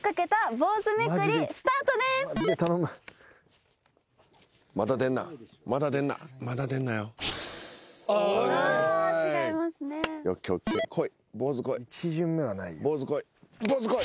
坊主こい！